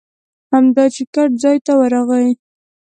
همدا چې ګټ ځای ته ورغی.